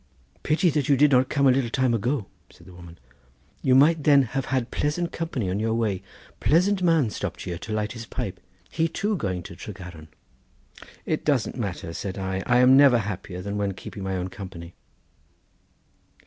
"Pity that you did not come a little time ago," said the woman; "you might then have had pleasant company on your way; pleasant man stopped here to light his pipe; he too going to Tregaron." "It doesn't matter," said I; "I am never happier than when keeping my own company."